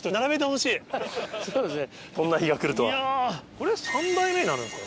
これ３代目になるんですか。